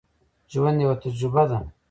ژوند یوه تجربه ده.